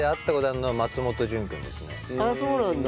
ああそうなんだ。